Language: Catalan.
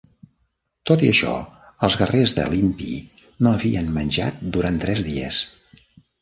Tot i això, els guerrers de l'impi no havien menjat durant tres dies.